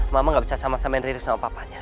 mama gak bisa sama samain riri sama bapaknya